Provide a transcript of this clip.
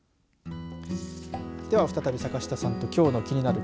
では、再び坂下さんときょうのキニナル！